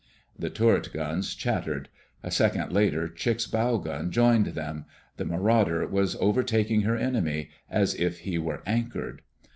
_" The turret guns chattered. A second later, Chick's bow gun joined them. The Marauder was overtaking her enemy as if he were anchored.